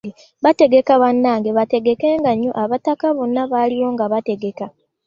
Bategeka bannange baategeka nnyo abataka bona baliwo nga bategeka.